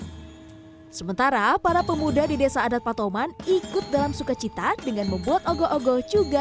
sementara para pemuda di desa adat patoman ikut dalam sukacita dengan membuat ogo ogol juga